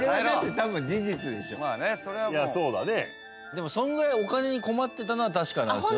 でもそのぐらいお金に困ってたのは確かなんですよね。